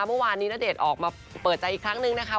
เมื่อวานนี้ณเดชน์ออกมาเปิดใจอีกครั้งนึงนะคะ